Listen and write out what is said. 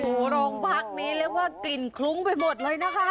โอ้โหโรงพักนี้เรียกว่ากลิ่นคลุ้งไปหมดเลยนะคะ